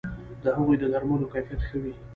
د هغوی د درملو کیفیت ښه وو